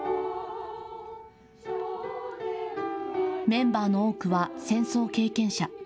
メンバーの多くは戦争経験者。